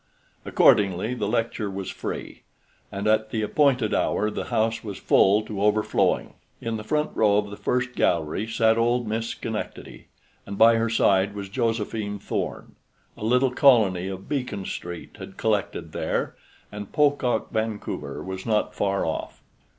Accordingly the lecture was free, and at the appointed hour the house was full to overflowing. In the front row of the first gallery sat old Miss Schenectady, and by her side was Josephine Thorn. A little colony of "Beacon Street" had collected there, and Pocock Vancouver was not far off.